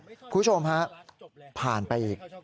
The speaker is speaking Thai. คุณผู้ชมฮะผ่านไปอีก